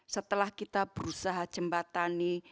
setelah kita berusaha jembatani